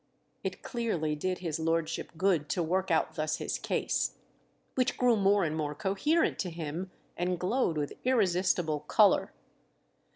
It clearly did his lordship good to work out thus his case, which grew more and more coherent to him and glowed with irresistible colour.